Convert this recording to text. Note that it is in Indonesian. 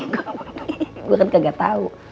gue kan kagak tau